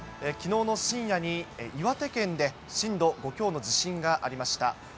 きのうの深夜に岩手県で震度５強の地震がありました。